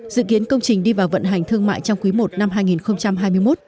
dự kiến công trình đi vào vận hành thương mại trong quý i năm hai nghìn hai mươi một